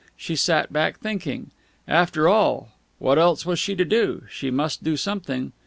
She sat back, thinking.... After all, what else was she to do? She must do something....